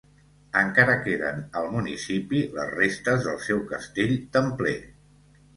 Encara queden al municipi les restes del seu castell templer.